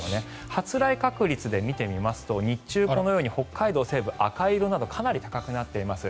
発雷確率で見てみますと日中このように北海道西部赤色などかなり高くなっています。